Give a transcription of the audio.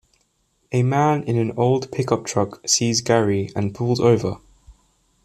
A man in an old pickup truck sees Gary and pulls over.